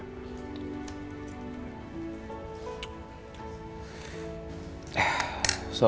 tidak tidak pernah